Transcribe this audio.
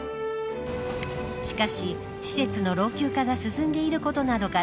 しかし、施設の老朽化が進んでいることなどから